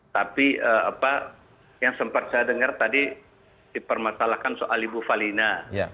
tapi yang sempat saya dengar tadi dipermasalahkan soal ibu falina